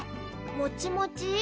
もちもち？